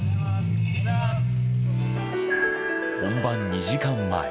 本番２時間前。